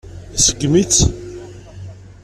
Iṣeggem-itt.